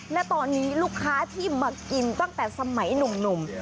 และตอนนี้ลูกค้าที่มากินตั้งแต่สมัยหนุ่ม